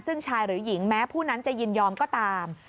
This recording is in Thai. ซึ่งชายหรือหญิงแม้ผู้นั้นจะยินยอมก็ตาม